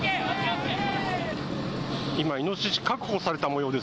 今イノシシ確保されたもようです。